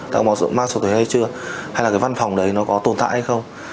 đã có mạng sửa thuê hay chưa hay là cái văn phòng đấy nó có tồn tại hay không